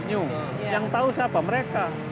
yang tahu siapa mereka